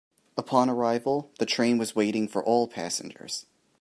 Upon arrival, the train was waiting for all passengers.